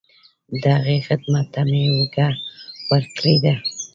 د هغې خدمت ته مې اوږه ورکړې ده.